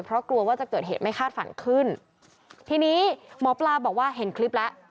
เพราะกลัวว่าจะเกิดเหตุไม่คาดฝันขึ้นทีนี้หมอปลาบอกว่าเห็นคลิปแล้ว